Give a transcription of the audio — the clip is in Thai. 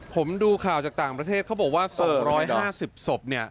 ผมดูข่าวจากต่างประเทศเขาบอกว่า๒๕๐ศพ